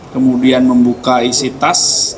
kemudian membuka isi tas